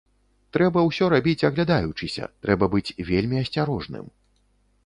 Трэба ўсё рабіць аглядаючыся, трэба быць вельмі асцярожным.